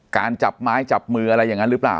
จับไม้จับมืออะไรอย่างนั้นหรือเปล่า